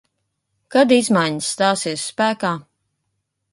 Kad izmaiņas stāsies spēkā?